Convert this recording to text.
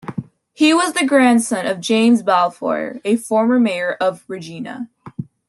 He was the grandson of James Balfour, a former mayor of Regina.